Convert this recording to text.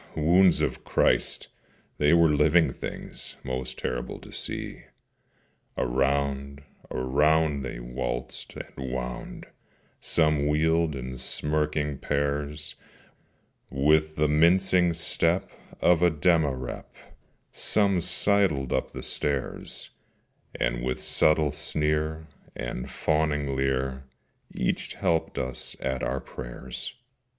wounds of Christ! they were living things, Most terrible to see. Around, around, they waltzed and wound; Some wheeled in smirking pairs; With the mincing step of a demirep Some sidled up the stairs: And with subtle sneer, and fawning leer, Each helped us at our prayers.